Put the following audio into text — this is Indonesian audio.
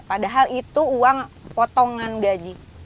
padahal itu uang potongan gaji